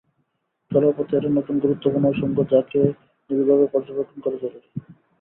চলার পথে এটা নতুন গুরুত্বপূর্ণ অনুষঙ্গ, যাকে নিবিড়ভাবে পর্যবেক্ষণ করা জরুরি।